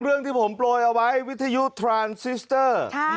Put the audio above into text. เรื่องที่ผมโปรยเอาไว้วิทยุทรานซิสเตอร์